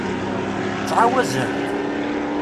Ttɛawazent?